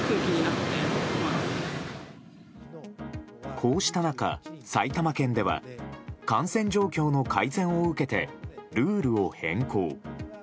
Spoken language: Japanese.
こうした中、埼玉県では感染状況の改善を受けてルールを変更。